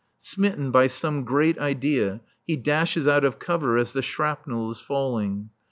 Smitten by some great idea, he dashes out of cover as the shrapnel is falling.